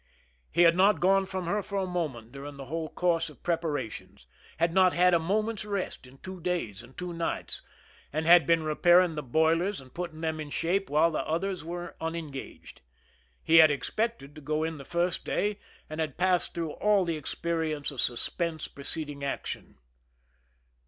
He had not gone from her for a moment during the whole course of preparations, had not had a moment's rest in two days and two nights, and had been repairing the boilers and putting them in shape while the others were unengaged. He had expected to go in the first day and had passed through all the experi ence of suspense preceding action.